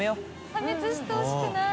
破滅してほしくない。